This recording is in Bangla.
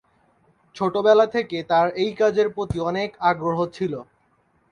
ছোটবেলা থেকে তার এই কাজের প্রতি অনেক আগ্রহ ছিল।